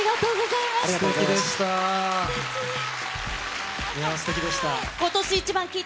いやー、すてきでした。